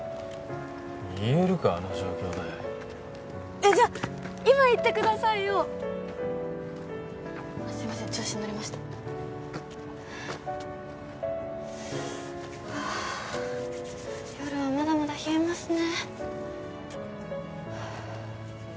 言えるかあの状況でえっじゃあ今言ってくださいよすいません調子に乗りましたはあ夜はまだまだ冷えますね